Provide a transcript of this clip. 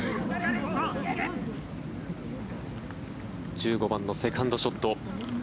１５番のセカンドショット。